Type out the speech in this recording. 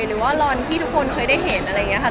หรือว่าลอนที่ทุกคนเคยได้เห็นอะไรอย่างนี้ค่ะ